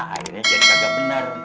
akhirnya jadi kagak benar